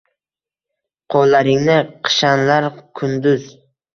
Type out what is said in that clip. Qoʼllaringni qishanlar kunduz